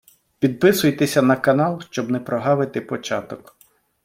Підписуйтеся на канал, щоб не проґавити початок.